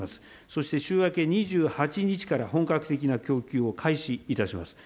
そして週明け２８日から本格的な供給を開始いたします。